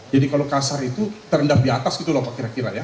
jadi kalau kasar itu terendah di atas gitu loh pak kira kira ya